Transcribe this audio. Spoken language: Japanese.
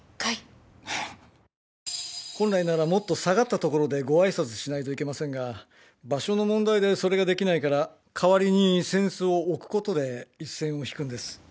本来ならもっと下がったところでご挨拶しないといけませんが場所の問題でそれができないから代わりに扇子を置くことで一線を引くんです。